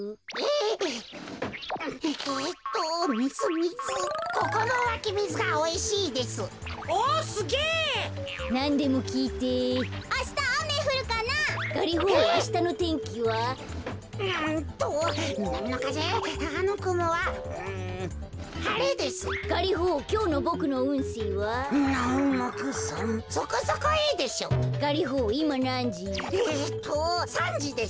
えっと３じです。